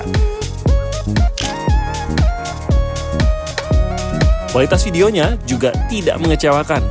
kualitas videonya juga tidak mengecewakan